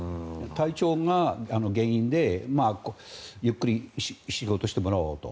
体調が原因でゆっくり仕事してもらおうと。